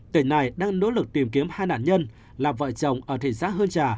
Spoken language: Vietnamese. tỉnh này đang nỗ lực tìm kiếm hai nạn nhân là vợ chồng ở thị xác hơn trà